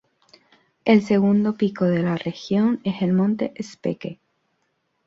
El segundo pico de la región es el monte Speke.